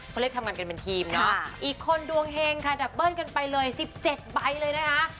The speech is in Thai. เขาเรียกทำงานกันเป็นทีมเนาะอีกคนดวงเฮงค่ะดับเบิ้ลกันไปเลย๑๗ใบเลยนะคะ